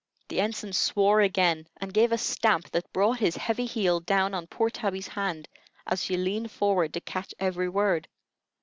The Ensign swore again, and gave a stamp that brought his heavy heel down on poor Tabby's hand, as she leaned forward to catch every word.